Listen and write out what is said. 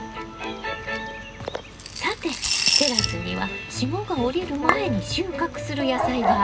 さてテラスには霜が降りる前に収穫する野菜があるわよ。